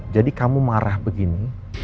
jadi kamu marah begini